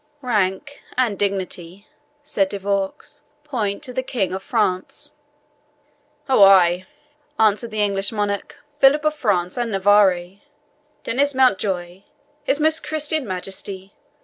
"Rank and dignity," said De Vaux, "point to the King of France." "Oh, ay," answered the English monarch, "Philip of France and Navarre Denis Mountjoie his most Christian Majesty!